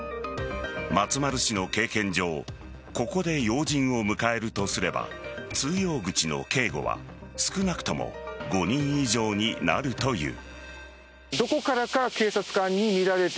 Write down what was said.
松丸氏の経験上ここで要人を迎えるとすれば通用口の警護は少なくとも５人以上になるという。